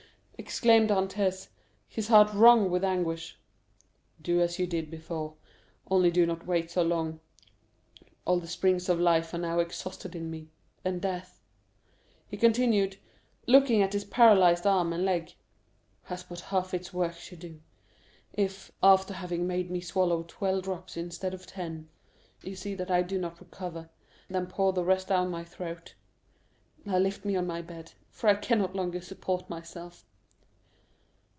exclaimed Dantès, his heart wrung with anguish. "Do as you did before, only do not wait so long, all the springs of life are now exhausted in me, and death," he continued, looking at his paralyzed arm and leg, "has but half its work to do. If, after having made me swallow twelve drops instead of ten, you see that I do not recover, then pour the rest down my throat. Now lift me on my bed, for I can no longer support myself."